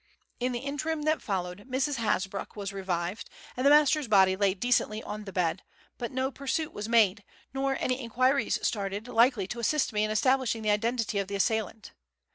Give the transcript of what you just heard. In the interim that followed, Mrs. Hasbrouck was revived, and the master's body laid decently on the bed; but no pursuit was made, nor any inquiries started likely to assist me in establishing the identity of the assailant.